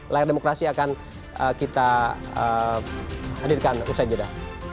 layar demokrasi akan kita hadirkan usai jeda